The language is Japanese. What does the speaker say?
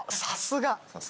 さすが！